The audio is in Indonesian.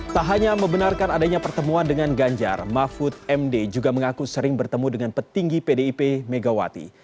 tak hanya membenarkan adanya pertemuan dengan ganjar mahfud md juga mengaku sering bertemu dengan petinggi pdip megawati